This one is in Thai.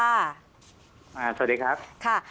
สวัสดีครับ